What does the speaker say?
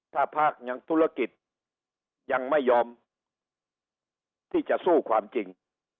ถ้าภาคยังธุรกิจยังไม่ยอมที่จะสู้ความจริง